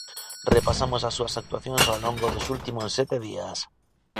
Repasamos as súas actuacións ao longo dos últimos sete días.